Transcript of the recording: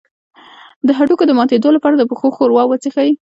د هډوکو د ماتیدو لپاره د پښو ښوروا وڅښئ